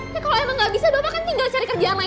ya kalau emang gak bisa bapak kan tinggal di rumah